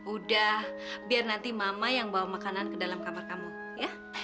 udah biar nanti mama yang bawa makanan ke dalam kamar kamu ya